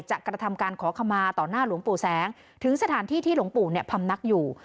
กระทำการขอขมาต่อหน้าหลวงปู่แสงถึงสถานที่ที่หลวงปู่เนี่ยพำนักอยู่